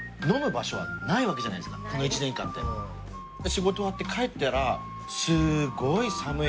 仕事終わって帰ったら。